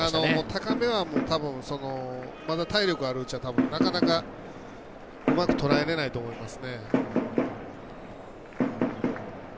高めは、たぶんまだ体力あるうちはたぶん、なかなかうまくとらえられないと思います。